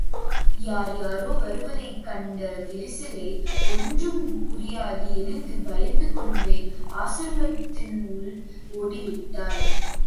யார் யாரோ வருவதைக் கண்ட விரிசிகை ஒன்றும் புரியாது எழுந்து பயந்துகொண்டே ஆசிரமத்தின் உள்ளே ஓடிவிட்டாள்.